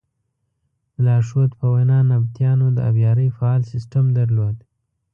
د لارښود په وینا نبطیانو د ابیارۍ فعال سیسټم درلود.